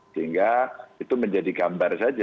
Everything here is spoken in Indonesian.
sehingga itu menjadi gambar saja